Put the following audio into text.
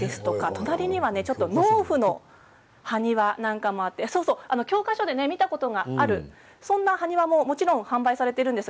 隣には農夫の埴輪なんかもあって教科書で見たことがあるそんな埴輪ももちろん販売されているんです。